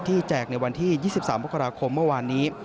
แจกในวันที่๒๓มกราคมเมื่อวานนี้